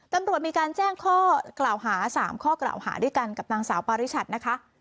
ตำรวจมีการแจ้งข้อกล่าวหา๓ข้อกล่าวหาด้วยกันกับนางสาวปาริชัดนะคะ